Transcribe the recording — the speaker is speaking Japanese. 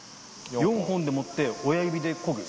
４本で持って、親指でこぐ？